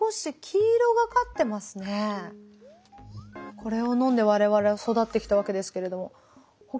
これを飲んで我々は育ってきたわけですけれども。